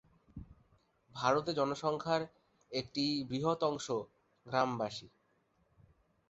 ভারতের জনসংখ্যার একটি বৃহৎ অংশ গ্রামবাসী।